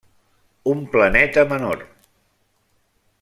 Un planeta menor.